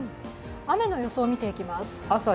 雨の予想見ていきます。